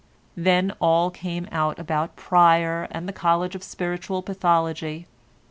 Then all came out about Pryer and the College of Spiritual Pathology.